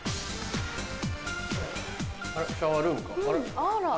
あらシャワールームか。